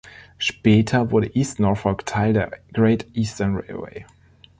Später wurde East Norfolk Teil der Great Eastern Railway.